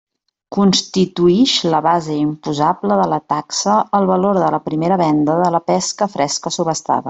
Constituïx la base imposable de la taxa el valor de la primera venda de la pesca fresca subhastada.